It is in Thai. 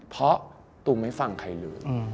เพราะตูมไม่ฟังใครเลย